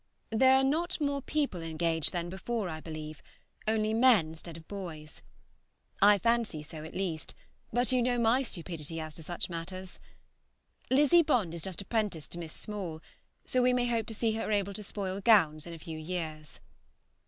There are not more people engaged than before, I believe; only men instead of boys. I fancy so at least, but you know my stupidity as to such matters. Lizzie Bond is just apprenticed to Miss Small, so we may hope to see her able to spoil gowns in a few years.